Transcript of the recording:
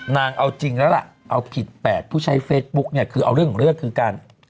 นางเอาจริงแล้วล่ะเอาผิด๘ผู้ใช้เฟซบุ๊กเนี่ยคือเอาเรื่องของเรื่องคือการ